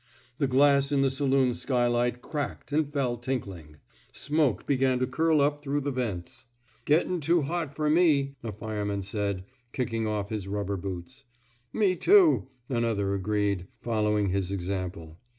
The glass in the saloon skylight cracked and fell tinkling. Smoke began to curl up through the vents. Gettin* too hot fer me/' a fireman said, kicking off his rubber boots. Me, too,*' another agreed, following his example.